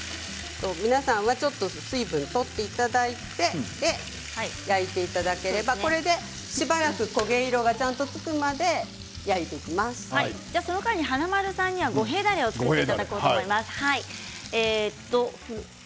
皆さんはちょっと水分を取っていただいて焼いていただければこれでしばらく焦げ色がちゃんとつくまでその間に華丸さんには五平だれを作っていただきます。